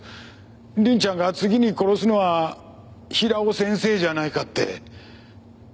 凛ちゃんが次に殺すのは平尾先生じゃないかって。